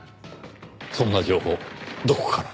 そんな情報どこから？